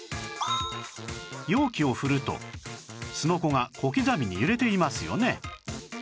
容器を振るとすのこが小刻みに揺れていますよね